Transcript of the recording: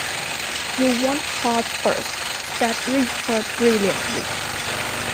"You want plots first," said Richard brilliantly.